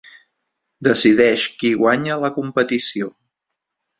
Decideix qui guanya la competició.